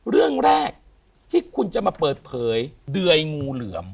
เรื่องแรกที่คุณจะมาเปิดเผยเดยงูเหลือม